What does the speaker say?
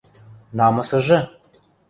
Намысыжы?